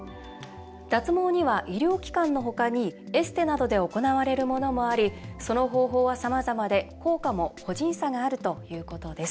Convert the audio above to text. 脱毛には医療機関の他にエステなどで行われるものもありその方法は、さまざまで効果も個人差があるということです。